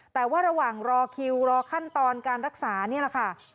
แต่ว่าระหว่างรอคิวรอขั้นตอนการรักษานี่แหละค่ะ